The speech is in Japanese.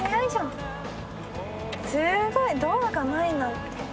すごい！ドアがないなんて。